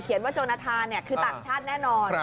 เขียนว่าโจนาทาคือต่างชาติแน่นอน